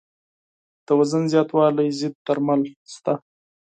د وزن زیاتوالي ضد درمل شته.